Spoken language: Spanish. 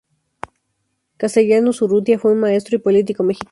Castellanos Urrutia fue un maestro y político mexicano.